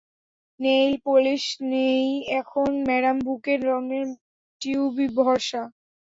Nail polish নেই, এখন madam ব্যুকের রঙের টিউবই ভরসা।